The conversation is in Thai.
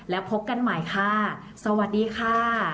แล้วพบกันใหม่ค่ะสวัสดีค่ะ